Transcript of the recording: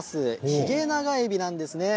ヒゲナガエビなんですね。